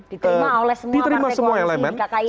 diterima oleh semua partai koalisi di kki